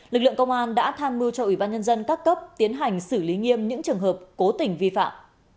lực lượng công an đã tham mưu cho ủy ban nhân dân các cấp tiến hành xử lý nghiêm những trường hợp cố tình vi phạm